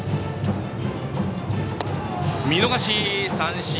見逃し三振！